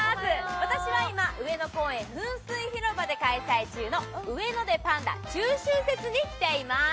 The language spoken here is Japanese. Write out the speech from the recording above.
私は今、上野公園噴水広場で開催中のウエノデ．パンダ中秋節に来ています。